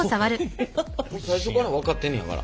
最初から分かってんねやから。